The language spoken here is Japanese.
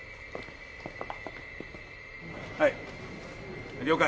はい了解。